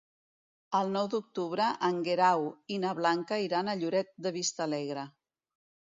El nou d'octubre en Guerau i na Blanca iran a Lloret de Vistalegre.